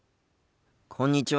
こんにちは。